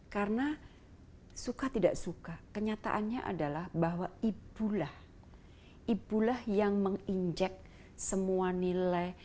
karena suka tidak suka kenyataannya adalah bahwa ibulah ibulah yang menginjek semua nilai